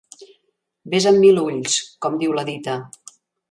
"Ves amb mil ulls", com diu la dita.